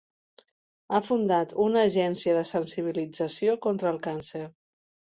Ha fundat una agència de sensibilització contra el càncer.